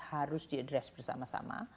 harus diadres bersama sama